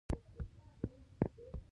فکر نه کوم چې ډېره لار دې ولاړ شو.